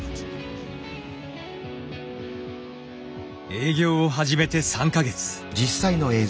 営業を始めて３か月。